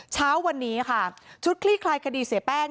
เช้าวันนี้ค่ะชุดคลี่คลายคดีเสียแป้ง